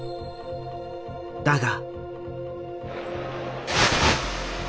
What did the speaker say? だが。